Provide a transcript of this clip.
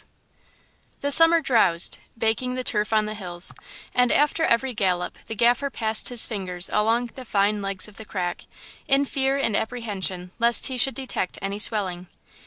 V The summer drowsed, baking the turf on the hills, and after every gallop the Gaffer passed his fingers along the fine legs of the crack, in fear and apprehension lest he should detect any swelling.